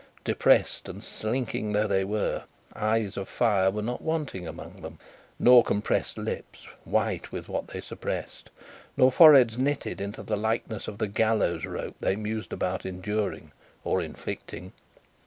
Depressed and slinking though they were, eyes of fire were not wanting among them; nor compressed lips, white with what they suppressed; nor foreheads knitted into the likeness of the gallows rope they mused about enduring, or inflicting.